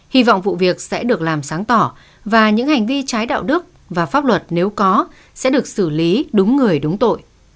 hy vọng vụ việc sẽ được làm sáng tỏ và những hành vi trái đạo đức và pháp luật nếu có sẽ được xử lý đúng người đúng tội